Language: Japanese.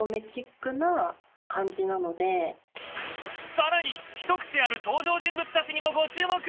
更にひと癖ある登場人物たちにもご注目。